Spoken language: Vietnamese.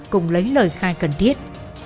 cùng lấy lời khai cần thiết